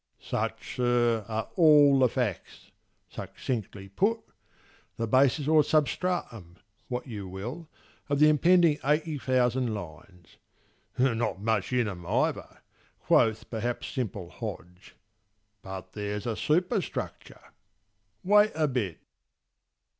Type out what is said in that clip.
Such, sir, are all the facts, succinctly put, The basis or substratum—what you will— Of the impending eighty thousand lines. "Not much in 'em either," quoth perhaps simple Hodge. But there's a superstructure. Wait a bit.